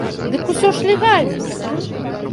Дык ўсё ж легальна!